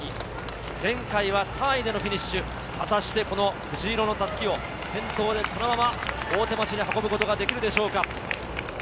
前回は３位でフィニッシュ、果たして藤色の襷を先頭でこのまま大手町に運ぶことができるでしょうか。